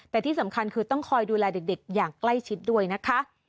แต่ที่สำคัญคือต้องคอยดูแลเด็กอย่างใกล้ชิดด้วยนะคะ